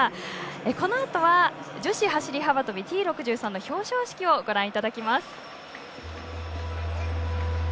このあとは女子走り幅跳びＴ６３表彰式をご覧いただきます。